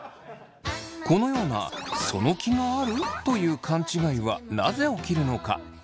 このような「その気がある？」という勘違いはなぜ起きるのか？